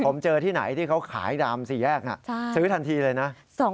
ผมเจอที่ไหนที่เขาขายดามสี่แยกซื้อทันทีเลยนะ